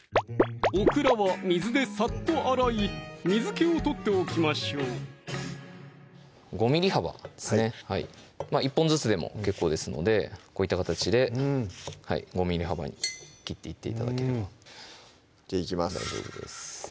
オクラは水でサッと洗い水気を取っておきましょう５ｍｍ幅ですね１本ずつでも結構ですのでこういった形で５ｍｍ幅に切っていって頂ければではいきます